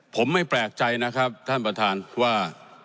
ผมไม่แปลกใจนะครับท่านประธานว่า